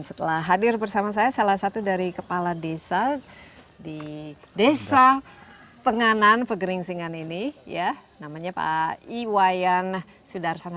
setelah hadir bersama saya salah satu dari kepala desa di desa penganan pegeringsingan ini ya namanya pak iwayan sudarsana